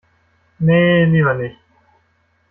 Nee, lieber nicht.